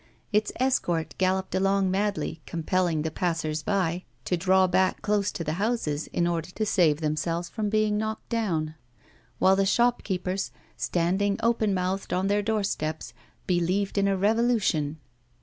Its escort galloped along madly, compelling the passers by to draw back close to the houses in order to save themselves from being knocked down; while the shop keepers, standing open mouthed on their doorsteps, believed in a revolution.